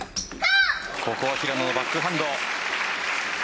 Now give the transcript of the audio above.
ここは平野のバックハンド。